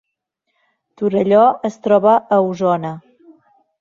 Torelló es troba a Osona